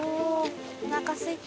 おなかすいた。